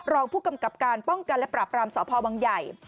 รองผู้กำกับการป้องกันและปราบรามสพวังใหญ่